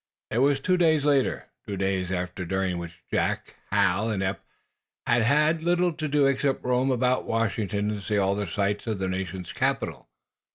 It was two days later; two days during which Jack, Hal and Eph had had little to do except roam about Washington and see all the sights of the National Capital.